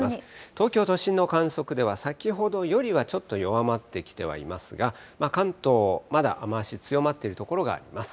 東京都心の観測では、先ほどよりはちょっと弱まってきてはいますが、関東、まだ雨足強まっている所があります。